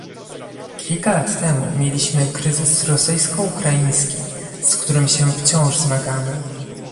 Kilka lat temu mieliśmy kryzys rosyjsko-ukraiński, z którym się wciąż zmagamy